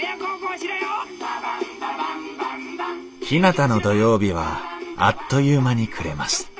ひなたの土曜日はあっという間に暮れます